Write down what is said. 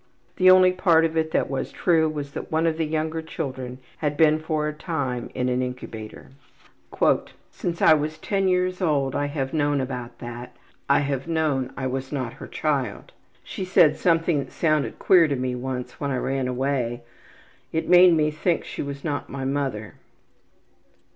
The only part of it that was true was that one of the younger children had been for a time in an incubator. ``Since I was 10 years old I have known about that. I have known I was not her child. She said something that sounded queer to me once when I ran away. It made me think she was not my mother.